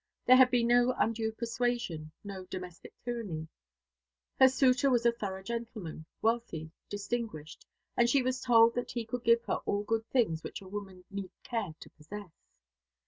There had been no undue persuasion, no domestic tyranny. Her suitor was a thorough gentleman, wealthy, distinguished, and she was told that he could give her all good things which a woman need care to possess.